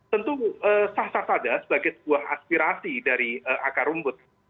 tentu sah sah saja sebagai sebuah aspirasi dari akar rumput